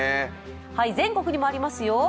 全国にもありますよ。